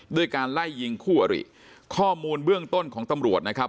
ด้วยการไล่ยิงคู่อริข้อมูลเบื้องต้นของตำรวจนะครับ